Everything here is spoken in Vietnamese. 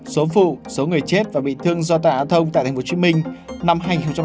số phụ số người chết và bị thương do tai nạn giao thông tại tp hcm năm hai nghìn hai mươi ba